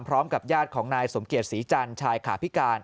พร้อมกับญาติของนายสมเกียจศรีจันทร์ชายขาพิการ